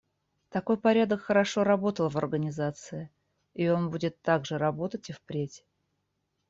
Такой порядок хорошо работал в Организации, и он будет так же работать и впредь.